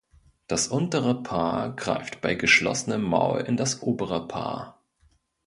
Das untere Paar greift bei geschlossenem Maul in das obere Paar.